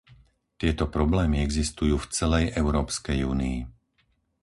Tieto problémy existujú v celej Európskej únii.